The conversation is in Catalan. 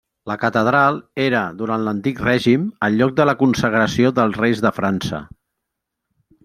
La catedral era, durant l'Antic Règim, el lloc de la consagració dels reis de França.